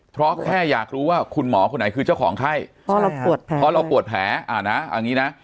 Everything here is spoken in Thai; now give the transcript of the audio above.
เพราะแค่อยากรู้ว่าคุณหมอคนไหนคือเจ้าของไข้เพราะเราปวดแผลเพราะเราปวดแผลนะเอาอย่างนี้นะ